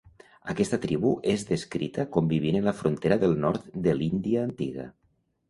Aquesta tribu és descrita com vivint en la frontera del nord de l'Índia antiga.